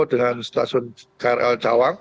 dengan stasiun krl cawang